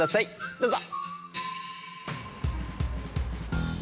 どうぞ。